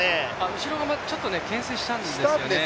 後ろがちょっとけん制したんですよね。